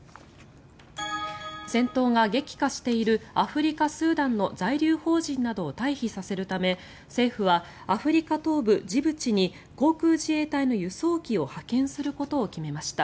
戦闘が激化しているアフリカ・スーダンの在留邦人などを退避させるため政府はアフリカ東部ジブチに航空自衛隊の輸送機を派遣することを決めました。